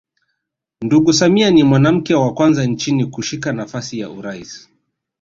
Ndugu Samia ni mwanamke wa kwanza nchini kushika nafasi ya urais